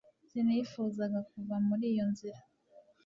sinifuzaga kuva muri iyo nzira